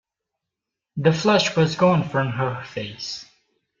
The flush was gone from her face.